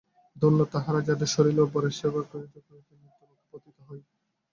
ধন্য তাহারা, যাহাদের শরীর অপরের সেবা করিতে করিতে মৃত্যুমুখে পতিত হয়।